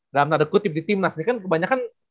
dalam tanda kutip di tim nah ini kan kebanyakan